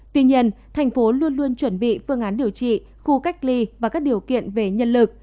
tuy nhiên thành phố luôn luôn chuẩn bị phương án điều trị khu cách ly và các điều kiện về nhân lực